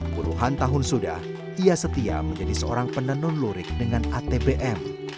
puluhan tahun sudah ia setia menjadi seorang penenun lurik dengan atbm